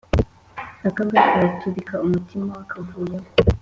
Akabwa karatubika umutima wakavuyemo